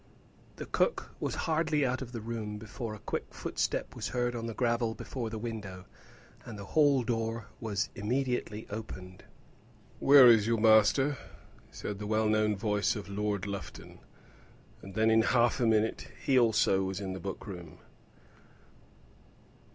The cook was hardly out of the room before a quick footstep was heard on the gravel before the window, and the hall door was immediately opened. "Where is your master?" said the well known voice of Lord Lufton; and then in half a minute he also was in the book room.